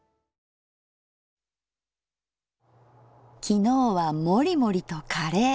昨日はもりもりとカレー。